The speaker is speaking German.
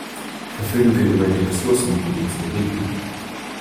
Verfügen wir über die Ressourcen, um ihnen zu begegnen?